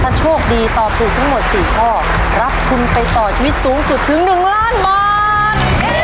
ถ้าโชคดีตอบถูกทั้งหมด๔ข้อรับทุนไปต่อชีวิตสูงสุดถึง๑ล้านบาท